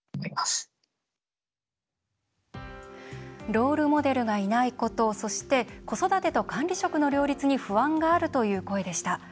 ロールモデルがいないことそして、子育てと管理職の両立に不安があるという声でした。